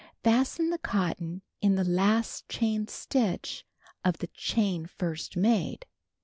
Fasten the cotton in the last chain stitch of the chain first made.